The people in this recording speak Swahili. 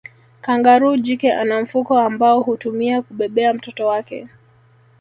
Kangaroo jike ana mfuko ambao hutumia kubebea mtoto wake